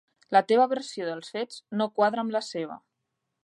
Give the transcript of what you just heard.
La teva versió dels fets no quadra amb la seva.